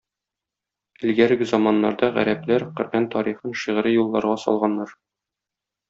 Элгәреге заманнарда гарәпләр Коръән тарихын шигъри юлларга салганнар.